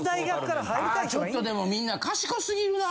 ちょっとでもみんな賢すぎるな。